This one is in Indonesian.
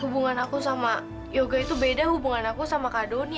hubungan aku sama yoga itu beda hubungan aku sama kak doni